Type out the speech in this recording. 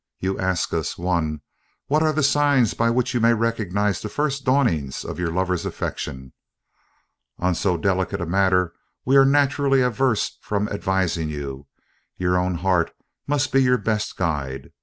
_ You ask us (1) what are the signs by which you may recognise the first dawnings of your lover's affection. On so delicate a matter we are naturally averse from advising you; your own heart must be your best guide.